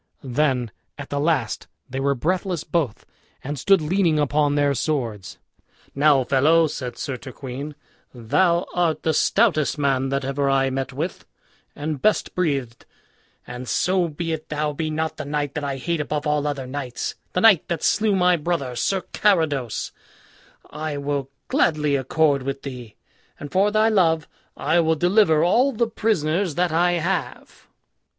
Then at the last they were breathless both, and stood leaning upon their swords. "Now, fellow," said Sir Turquine, "thou art the stoutest man that ever I met with, and best breathed; and so be it thou be not the knight that I hate above all other knights, the knight that slew my brother, Sir Carados, I will gladly accord with thee; and for thy love I will deliver all the prisoners that I have."